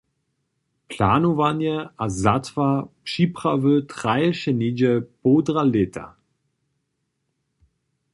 Planowanje a zatwar připrawy traješe něhdźe połdra lěta.